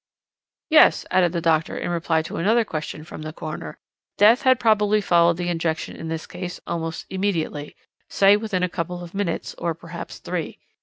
"'Yes,' added the doctor in reply to another question from the coroner, 'death had probably followed the injection in this case almost immediately; say within a couple of minutes, or perhaps three.